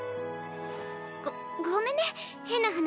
ごごめんね変な話して。